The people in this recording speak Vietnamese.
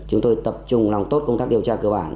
chúng tôi tập trung làm tốt công tác điều tra cơ bản